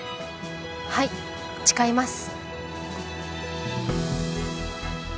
はい誓います